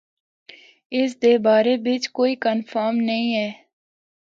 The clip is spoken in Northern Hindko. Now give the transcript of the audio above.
اس دے بارے بچ کوئی کنفرم نیں ہے۔